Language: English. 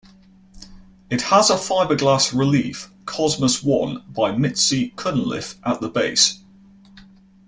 It has a fibreglass relief, "Cosmos I", by Mitzi Cunliffe, at the base.